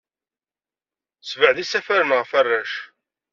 Ssebɛed isafaren ɣef warrac.